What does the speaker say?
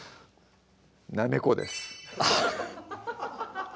なめこですあっ